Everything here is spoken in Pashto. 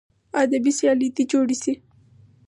ادبي سیالۍ دې جوړې سي.